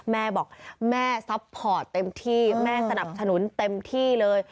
แม่บอกแม่ซัพพอร์ตเต็มที่แม่สนับสนุนเต็มที่เลย